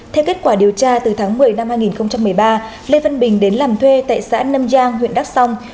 theo kết quả điều tra từ tháng một mươi năm hai nghìn một mươi ba lê văn bình đến làm thuê tại xã nâm giang huyện đắk song